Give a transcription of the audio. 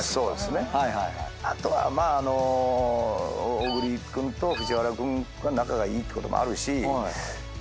小栗君と藤原君が仲がいいってこともあるしま